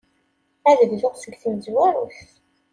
Ad bduɣ seg tmezwarut.